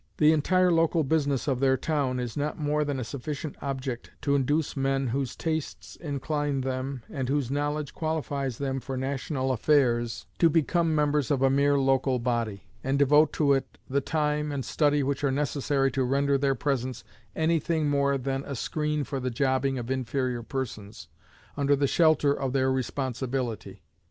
The entire local business of their town is not more than a sufficient object to induce men whose tastes incline them, and whose knowledge qualifies them for national affairs, to become members of a mere local body, and devote to it the time and study which are necessary to render their presence any thing more than a screen for the jobbing of inferior persons, under the shelter of their responsibility.